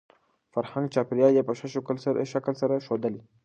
فرهنګ ،چاپېريال يې په ښه شکل سره يې ښودلى .